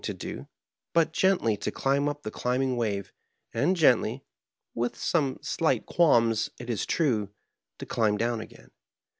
to do but gently to climb up the climbing wave, and gently (with some slight qualms, it is true) to climb down again.